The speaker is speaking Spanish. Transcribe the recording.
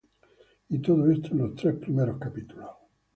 Y todo esto en los tres primeros capítulos.